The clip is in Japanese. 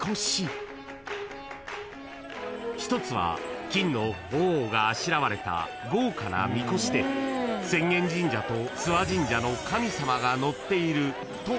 ［一つは金の鳳凰があしらわれた豪華なみこしで浅間神社と諏訪神社の神様が乗っているとされていますが］